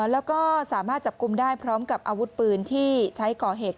แล้วก็สามารถจับกลุ่มได้พร้อมกับอาวุธปืนที่ใช้ก่อเหตุ